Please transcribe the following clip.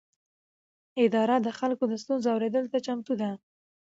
اداره د خلکو د ستونزو اورېدلو ته چمتو ده.